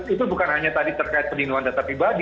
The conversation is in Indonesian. itu bukan hanya tadi terkait pelindungan data pribadi